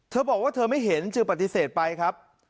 เธอบอกว่าเธอไม่เห็นจึงปฏิเสธไปครับ